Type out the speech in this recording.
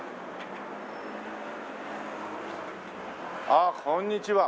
あっこんにちは。